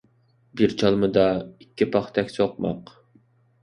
بىر چالمىدا ئىككى پاختەك سوقماق